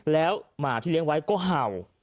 แล้วหมาที่เลี้ยงไว้ก็เห่า